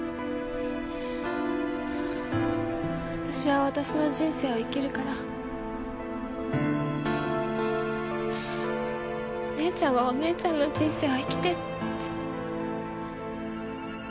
私は私の人生を生きるからお姉ちゃんはお姉ちゃんの人生を生きてって。